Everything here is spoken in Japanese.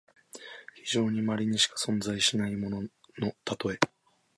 非常にまれにしか存在しないもののたとえ。